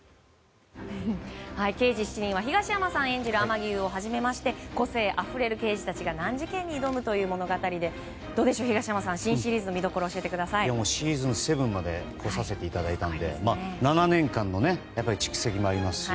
「刑事７人」は東山さん演じる天樹悠をはじめまして個性あふれる刑事たちが難事件に挑むという物語でどうでしょう、東山さん新シリーズの見どころシーズン７まで来させていただいたので７年間の蓄積もありますし。